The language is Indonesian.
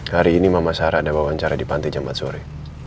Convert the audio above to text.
hari ini mama sarah ada wawancara di panti jumat sore